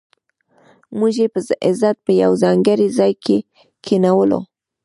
موږ یې په عزت په یو ځانګړي ځای کې کېنولو.